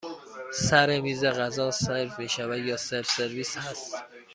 سر میز غذا سرو می شود یا سلف سرویس هست؟